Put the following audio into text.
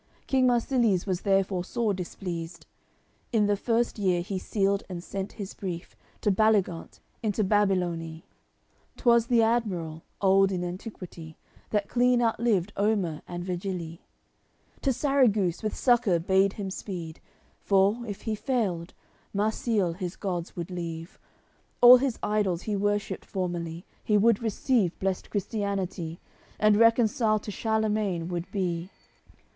King Marsilies was therefore sore displeased; In the first year he sealed and sent his brief To Baligant, into Babilonie: ('Twas the admiral, old in antiquity, That clean outlived Omer and Virgilie,) To Sarraguce, with succour bade him speed, For, if he failed, Marsile his gods would leave, All his idols he worshipped formerly; He would receive blest Christianity And reconciled to Charlemagne would be.